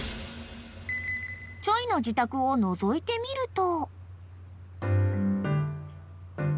［ｃｈｏｙ？の自宅をのぞいてみると］